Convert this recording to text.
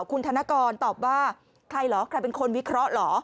คุณธนกรตอบว่าใครเหรอใครเป็นคนวิเคราะห์เหรอ